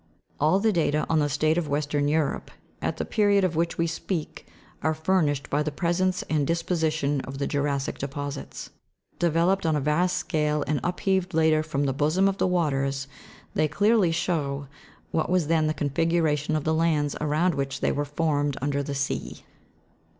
All the data on the state of western Europe, at the period of which we speak, are furnished by the presence and disposition of the jura'ssic deposits. Developed on a vast scale, and upheaved later from the bosom of the waters, they clearly show what was then the configuration of the lands around which they were formed under the sea.